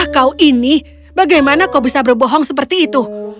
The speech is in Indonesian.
kau ini bagaimana kau bisa berbohong seperti itu